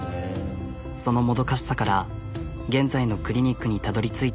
そのもどかしさから現在のクリニックにたどりついた。